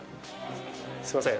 すいません